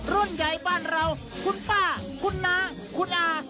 รุ่นใหญ่บ้านเราคุณป้าคุณน้าคุณอา